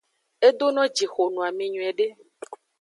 Edono jixo noame nyuiede.